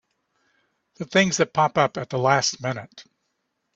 The things that pop up at the last minute!